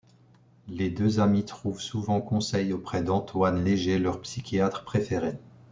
Les deux amies trouvent souvent conseil auprès d'Antoine Léger, leur psychiatre préféré.